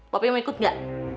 popi mau ikut gak